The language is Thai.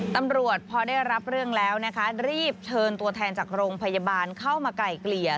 ตำรวจพอได้รับเรื่องแล้วนะคะรีบเชิญตัวแทนจากโรงพยาบาลเข้ามาไก่เกลี่ย